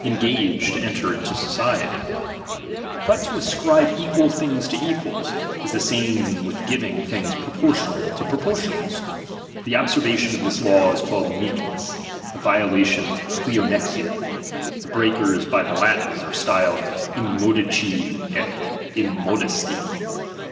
III. engage to enter into society r But to ascribe '' equal things to equals, is the same with giving things proportional to proportionals. The obser vation of this law is called vieehiess, the violation irXfovfHia ; the breakers by the Latins are styled im modici et immodesti.